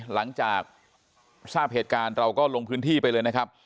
หลังจากทราบเหตุการณ์เราก็ลงพื้นที่ไปเลยนะครับ